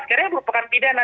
sekarang ini merupakan pidana